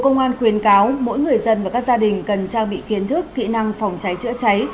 công an khuyên cáo mỗi người dân và các gia đình cần trang bị kiến thức kỹ năng phòng cháy chữa cháy